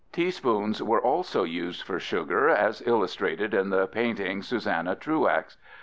Teaspoons were also used for sugar, as illustrated in the painting Susanna Truax (fig.